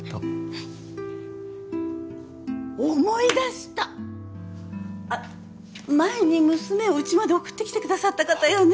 はい思い出した前に娘をうちまで送ってきてくださった方よね？